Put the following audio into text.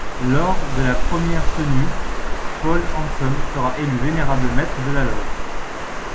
Lors de la premier Tenue, Paul Hanson sera élu Vénérable Maître de la loge.